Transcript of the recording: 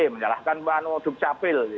menyalahkan pak anu dukcapil